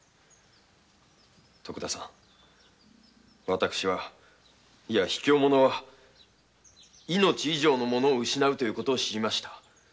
私はいやひきょう者は命以上のものを失うという事を知りました。